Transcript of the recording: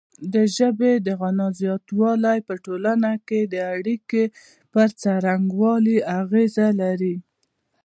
د ژبې د غنا زیاتوالی په ټولنه کې د اړیکو پر څرنګوالي اغیزه لري.